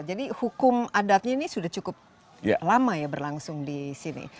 jadi hukum adatnya ini sudah cukup lama ya berlangsung di sini